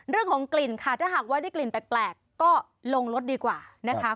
เรื่องของกลิ่นค่ะถ้าหากว่าได้กลิ่นแปลกก็ลงรถดีกว่านะคะ